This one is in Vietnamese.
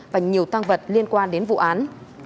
và nhiều thang vật liên quan đến vụ án